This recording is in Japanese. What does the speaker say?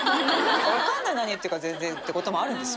わかんない何言ってるか全然ってこともあるんですよ。